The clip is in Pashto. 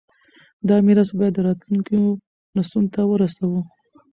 دا میراث باید راتلونکو نسلونو ته ورسوو.